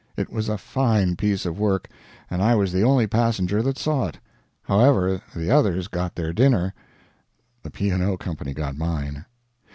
It was a fine piece of work, and I was the only passenger that saw it. However, the others got their dinner; the P. & O. Company got mine